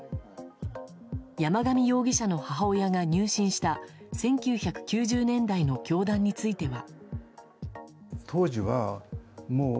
山上容疑者の母親が入信した１９９０年代の教団については。